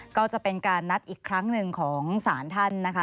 ก็จะเป็นการนัดอีกครั้งหนึ่งของสารท่านนะคะ